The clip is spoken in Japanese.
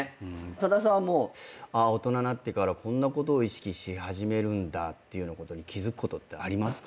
さださんは大人になってからこんなことを意識し始めるんだっていうようなことに気付くことってありますか？